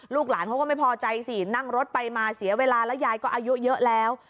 หลานเขาก็ไม่พอใจสินั่งรถไปมาเสียเวลาแล้วยายก็อายุเยอะแล้ว